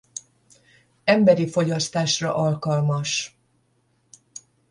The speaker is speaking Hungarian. Emberi fogyasztásra alkalmas.